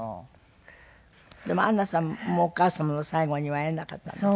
でも安奈さんもお母様の最期には会えなかったんですって？